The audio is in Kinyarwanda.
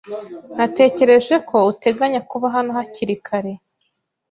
Natekereje ko uteganya kuba hano hakiri kare.